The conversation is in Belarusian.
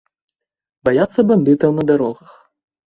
Баяцца бандытаў на дарогах.